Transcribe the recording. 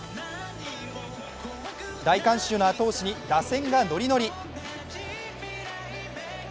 大観衆の後押しに打線がノリノリ。